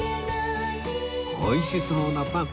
美味しそうなパン